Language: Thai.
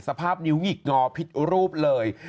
สภาพนิ้วหงิกงอผิดรูปเลย